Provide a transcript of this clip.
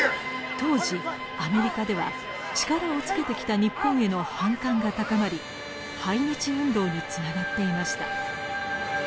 当時アメリカでは力をつけてきた日本への反感が高まり排日運動につながっていました。